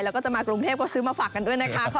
แล้วก็จะมากรุงเทพก็ซื้อมาฝากกันด้วยนะคะ